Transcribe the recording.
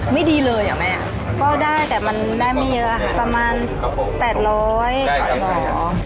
ไม่ดีเลยอะแม่ก็ได้แต่มันได้ไม่เยอะประมาณแปดร้อยถอดหอ